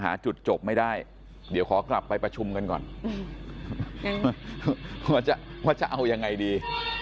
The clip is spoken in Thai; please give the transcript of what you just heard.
ว่าจะเอายังไงดี